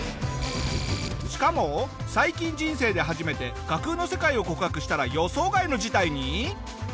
しかも最近人生で初めて架空の世界を告白したら予想外の事態に！